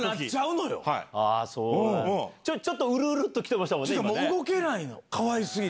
ちょっとウルウルっと来てましたもんね。